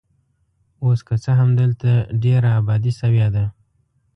اوس که څه هم دلته ډېره ابادي شوې ده.